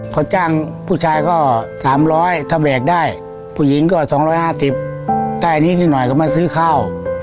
เขาจ้างผู้ชายก็๓๐๐ถ้าแบกได้ผู้หญิงก็๒๕๐ได้อันนี้นิดหน่อยก็มาซื้อข้าว